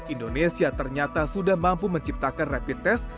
indonesia ternyata sudah mampu menciptakan rapid test